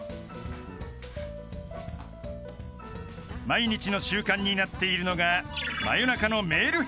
［毎日の習慣になっているのが］